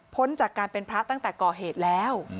จากการเป็นพระตั้งแต่ก่อเหตุแล้ว